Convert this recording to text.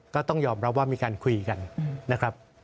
ก็ต้องยอมรับว่ามีการคุยกันนะครับ